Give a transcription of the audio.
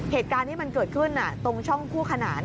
เหตุการณ์ที่มันเกิดขึ้นตรงช่องคู่ขนาน